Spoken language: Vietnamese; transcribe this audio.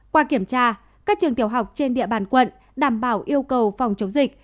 qua kiểm tra các trường tiểu học trên địa bàn quận đảm bảo yêu cầu phòng chống dịch